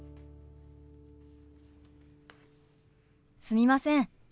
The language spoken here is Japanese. すみません。